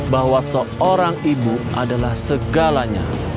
bahwa seorang ibu adalah segalanya